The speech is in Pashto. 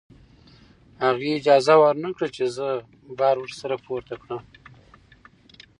هغې اجازه ورنکړه چې زه بار ورسره پورته کړم.